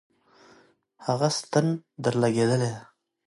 هغه ستن درلگولې ده.